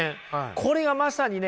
これがまさにね